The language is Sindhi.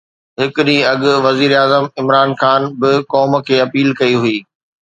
هڪ ڏينهن اڳ وزيراعظم عمران خان به قوم کي اپيل ڪئي هئي